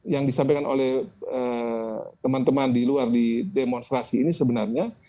yang disampaikan oleh teman teman di luar di demonstrasi ini sebenarnya